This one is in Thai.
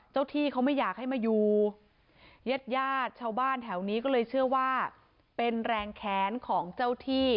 ที่เขาไม่อยากให้มาอยู่ญาติญาติชาวบ้านแถวนี้ก็เลยเชื่อว่าเป็นแรงแค้นของเจ้าที่